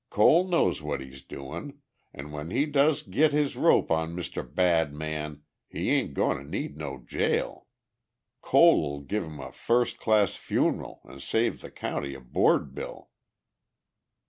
Cole knows what he's doin', an' when he does git his rope on Mr. Badman he ain't goin' to need no jail. Cole'll give him a firs' class funeral an' save the county a board bill."